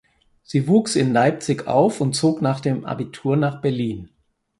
Sie wuchs in Leipzig auf und zog nach dem Abitur nach Berlin.